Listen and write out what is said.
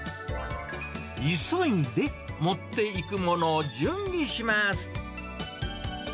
急いで持っていくものを準備します。